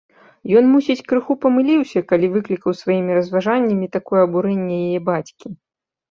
Ён, мусіць, крыху памыліўся, калі выклікаў сваімі разважаннямі такое абурэнне яе бацькі.